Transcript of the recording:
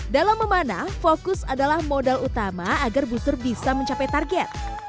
dalam memanah fokus adalah modal utama agar booster bisa mencapai target